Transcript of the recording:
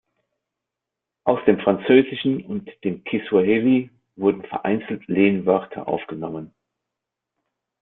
Aus dem Französischen und aus dem Kiswahili wurden vereinzelt Lehnwörter aufgenommen.